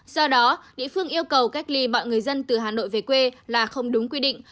do đó địa phương yêu cầu cách ly mọi người dân từ hà nội về quê là không đúng quy định